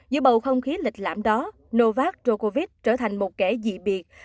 giữa bầu không khí lịch lãm đó novak rokovich trở thành một kẻ dị biệt